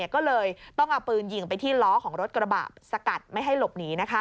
ก็เลยต้องเอาปืนยิงไปที่ล้อของรถกระบะสกัดไม่ให้หลบหนี